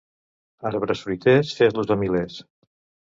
Arbres fruiters, fes-los a milers.